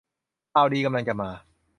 ข่าวดีกำลังจะมา